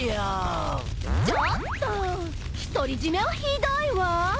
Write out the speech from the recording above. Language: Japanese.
ちょっと独り占めはひどいわ。